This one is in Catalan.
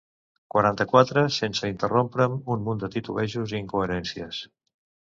Quaranta-quatre sense interrompre'm un munt de titubejos i incoherències.